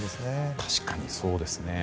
確かにそうですね。